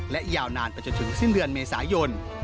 และยาวนานไปจนถึงสิ้นเดือนเมษายน